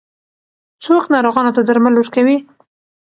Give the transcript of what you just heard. څوک ناروغانو ته درمل ورکوي؟